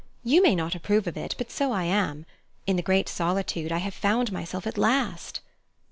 You may not approve of it, but so I am. In the great solitude I have found myself at last."